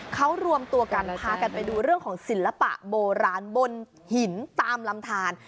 เขารวมตัวกันพากันไปดูเรื่องของศิลปะโบราณบนหินตามลำทาน